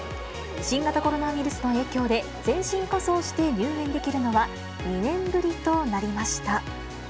新型コロナウイルスの影響で全身仮装して入園できるのは２年ぶりとなりました。